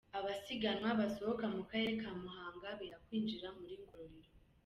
Abasiganwa basohoka akarere ka Muhango benda kwinjira muri Ngororero.